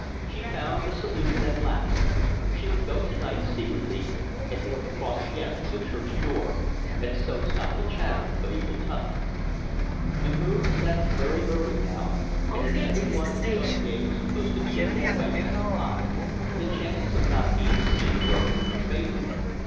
She found a solution at last. She would go to night secretly and nail the cross again on the church door, and so stop the chatter of evil tongues. The moon set very early now, and as every one in Chaudiere was supposed to be in bed by ten o'clock, the chances of not being seen were in her favour.